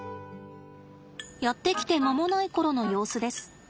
やって来て間もない頃の様子です。